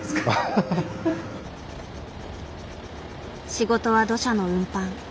仕事は土砂の運搬。